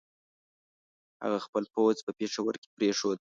هغه خپل پوځ په پېښور کې پرېښود.